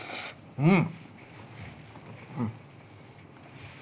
うん！